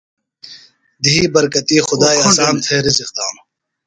دھئی برکتیۡ خدائی اسام تھےۡ رزق دانوۡ۔